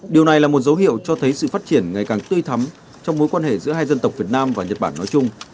điều này là một dấu hiệu cho thấy sự phát triển ngày càng tươi thắm trong mối quan hệ giữa hai dân tộc việt nam và nhật bản nói chung